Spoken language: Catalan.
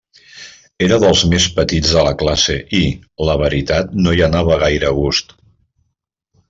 Era dels més petits de la classe i, la veritat, no hi anava gaire a gust.